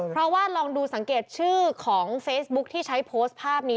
เพราะว่าลองดูสังเกตชื่อของเฟซบุ๊คที่ใช้โพสต์ภาพนี้